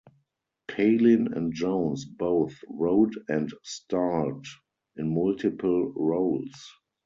Palin and Jones both wrote and starred in multiple roles.